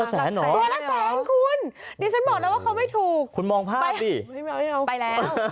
ตัวละแสนคุณดิฉันบอกแล้วว่าเขาไม่ถูกคุณมองภาพไปดิไปแล้ว